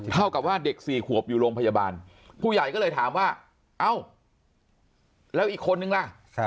เท่ากับว่าเด็ก๔ขวบอยู่โรงพยาบาลผู้ใหญ่ก็เลยถามว่าเอ้าแล้วอีกคนนึงล่ะ